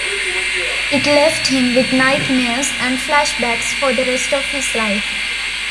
It left him with nightmares and flashbacks for the rest of his life.